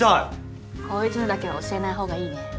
こいつにだけは教えない方がいいね。